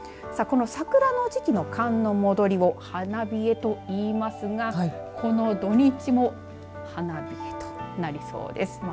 さあ、この桜の時期の寒の戻りを花冷えといいますがこの土日も花冷えとなりそうです。